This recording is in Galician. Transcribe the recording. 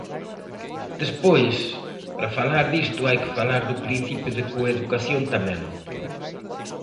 Despois, para falar disto hai que falar do principio de coeducación tamén.